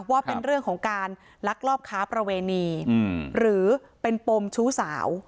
ว่าเป็นเรื่องของการลักลอบค้าประเวณีหรือเป็นปมชู้สาว